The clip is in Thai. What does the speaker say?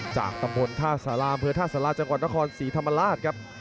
จากตำบลท่าสาราอำเภอท่าสาราจังหวัดนครศรีธรรมราชครับ